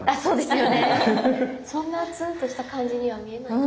そんなツンとした感じには見えない。